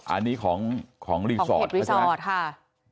อันนี้ของรีสอร์ทค่ะ